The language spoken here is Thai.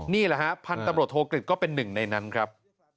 นี่แหละฮะพันธุ์ตำรวจโทกฤษก็เป็นหนึ่งในนั้นครับ